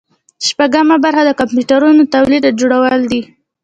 شپږمه برخه د کمپیوټرونو تولید او جوړول دي.